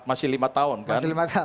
ya itu saya cukup tepat